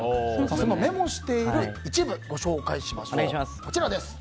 そのメモしている一部をご紹介しましょう。